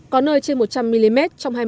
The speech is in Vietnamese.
có nơi trên một trăm linh mm trong hai mươi bốn h